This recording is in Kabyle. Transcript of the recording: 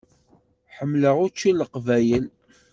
Ḥemmleɣ učči n Leqbayel.